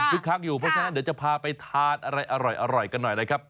คักอยู่เพราะฉะนั้นเดี๋ยวจะพาไปทานอะไรอร่อยกันหน่อยนะครับ